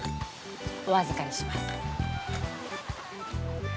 お預かりします。